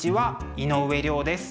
井上涼です。